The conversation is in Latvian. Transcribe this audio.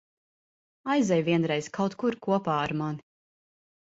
Aizej vienreiz kaut kur kopā ar mani.